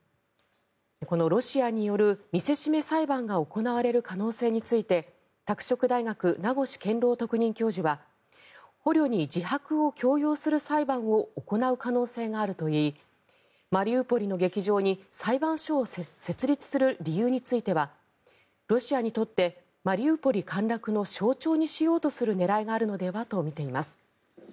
このロシアによる見せしめ裁判が行われる可能性について拓殖大学、名越健郎特任教授は捕虜に自白を強要する裁判を行う可能性があるといいマリウポリの劇場に裁判所を設立する理由についてはロシアにとってマリウポリ陥落の象徴にしようとする狙いがあるのではとみています。